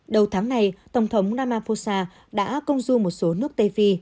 đầu tháng này tổng thống ramaphosa đã công du một số nước tây phi